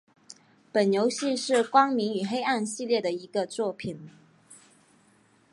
本游戏是光明与黑暗系列的一个作品。